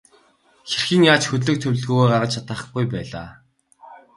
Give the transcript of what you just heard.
Хэрхэн яаж хөдлөх төлөвлөгөөгөө гаргаж чадахгүй байлаа.